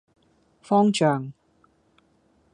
方丈